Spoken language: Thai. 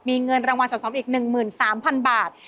มีเงินรางวัลสะสมอีก๑๓๐๐๐บาท